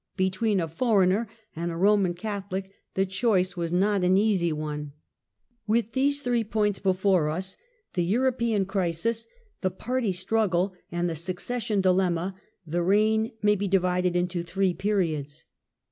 Between* a foreigner and a Roman Catholic the choice was not an easy one. With these three points before us — the European crisis, Three periods the party Struggle, and the succession dilemma of the reign. — t]^^ reign may be divided into three periods.